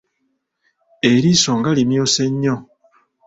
Eriiso nga limyuse nnyo?